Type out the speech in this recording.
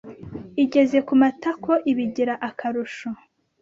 Igeze ku matako ibigira akarusho,